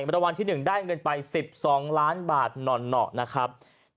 ในมันตะวันที่๑ได้เงินไป๑๒ล้านบาทหน่อนหน่อนะครับ